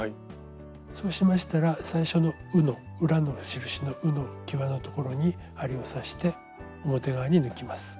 そうしましたら最初の「う」の裏の印のうのきわのところに針を刺して表側に抜きます。